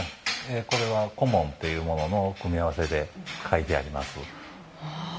これは小紋というものの組み合わせで描いてあります。